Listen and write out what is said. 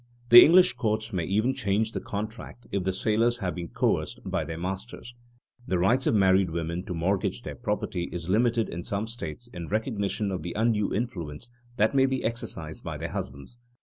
The English courts may even change the contract if the sailors have been coerced by their masters. The rights of married women to mortgage their property is limited in some states in recognition of the undue influence that may be exercised by their husbands.